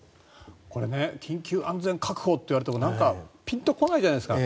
これ緊急安全確保と言われてもなんかピンと来ないじゃないですか。